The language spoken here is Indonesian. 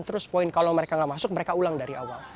terus poin kalau mereka nggak masuk mereka ulang dari awal